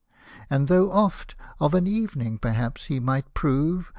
And though oft, of an evening, perhaps he might prove.